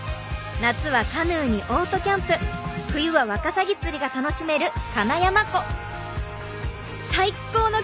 夏はカヌーにオートキャンプ冬はワカサギ釣りが楽しめるかなやま湖。